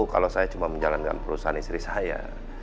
kalau saya cuma menjalankan perusahaan istri saya